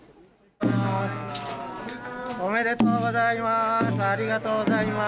おめでとうございます。